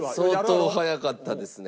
相当早かったですね。